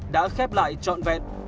đã khép lại trọn vẹn